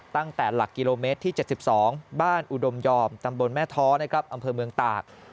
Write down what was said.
ตั้งแต่หลักกิโลเมตรที่๗๒บ้านอุดมยอมตำบลแม่ท้อนะครับอำเภอเมืองตาก